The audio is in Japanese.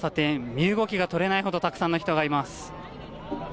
身動きがとれないほど、たくさんの人がいます。